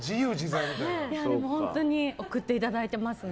本当に送っていただいてますね。